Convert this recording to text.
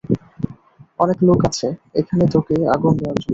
অনেক লোক আছে এখানে তোকে আগুন দেওয়ার জন্য।